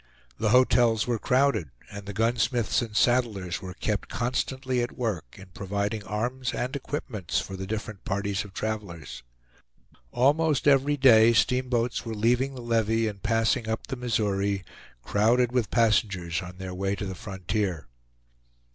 The hotels were crowded, and the gunsmiths and saddlers were kept constantly at work in providing arms and equipments for the different parties of travelers. Almost every day steamboats were leaving the levee and passing up the Missouri, crowded with passengers on their way to the frontier.